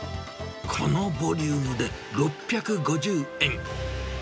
このボリュームで６５０円。